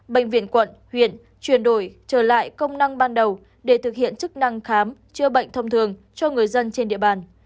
bệnh viện quận huyện chuyển đổi trở lại công năng ban đầu để thực hiện chức năng khám chữa bệnh thông thường cho người dân trên địa bàn